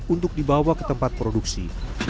untuk dibawa ke tempat produksi